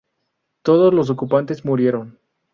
Todos los ocupantes murieron.